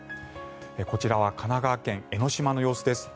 こちらは神奈川県・江の島の様子です。